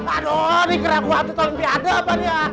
aduh nih kira gue hampir tahun biadap kan ya